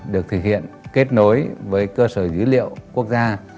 được thực hiện kết nối với cơ sở dữ liệu quốc gia